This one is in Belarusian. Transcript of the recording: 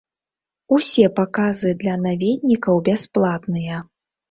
Усе паказы для наведнікаў бясплатныя.